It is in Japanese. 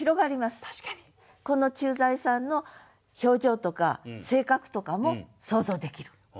この駐在さんの表情とか性格とかも想像できる。